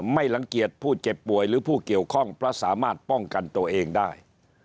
ไม่รังเกียจผู้เจ็บป่วยหรือผู้เกี่ยวข้องเพราะสามารถป้องกันตัวเองได้